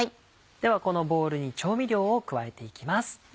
ではこのボウルに調味料を加えていきます。